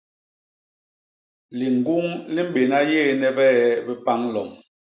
Liñguñ li mbéna yééne bie bi pañ lom.